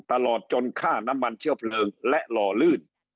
ตลอดจนค่าน้ำมันเชื้อเพลิงและหล่อลื่น